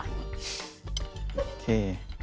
โอเค